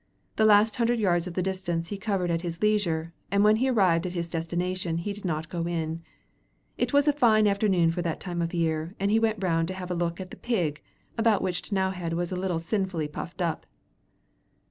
The last hundred yards of the distance he covered at his leisure, and when he arrived at his destination he did not go in. It was a fine afternoon for the time of year, and he went round to have a look at the pig, about which T'nowhead was a little sinfully puffed up.